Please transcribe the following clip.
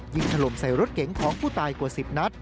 ถล่มใส่รถเก๋งของผู้ตายกว่า๑๐นัด